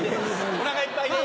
おなかいっぱいです。